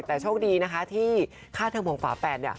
แต่โชคดีที่ค่าเทอมของฝาแปด